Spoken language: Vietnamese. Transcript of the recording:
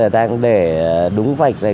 đang để đúng vạch này